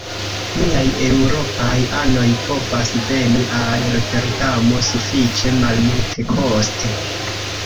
Niaj eŭropaj anoj povas veni al Roterdamo sufiĉe malmultekoste.